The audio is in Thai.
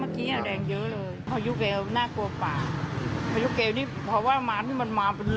เมื่อวานเบาะฟ้าสีแดงนี่ไป